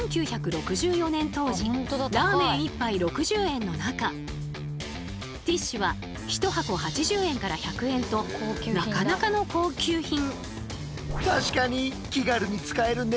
１９６４年当時ラーメン１杯６０円の中ティッシュは１箱８０円から１００円となかなかの高級品。